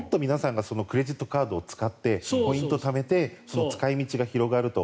クレジットカードを使ってポイントをためて使い道が広がると。